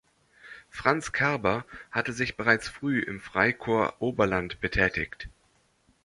Franz Kerber hatte sich bereits früh im Freikorps Oberland betätigt.